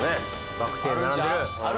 バクテー並んでる？